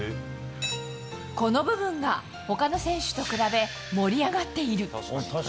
この部分が他の選手と比べ盛り上がっている。